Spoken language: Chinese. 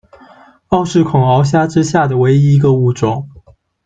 奥氏恐螯虾之下的唯一一个物种。